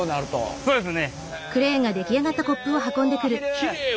そうですね